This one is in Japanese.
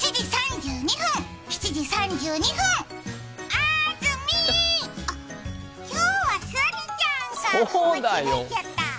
あずみーあっ、今日は杉ちゃんか間違えちゃった。